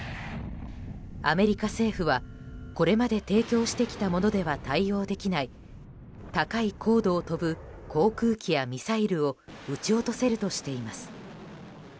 アメリカ政府はこれまで提供してきたものでは対応できない高い高度を飛ぶ航空機やミサイルを撃ち落とせるとしています。